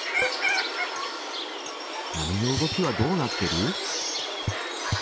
波の動きはどうなってる？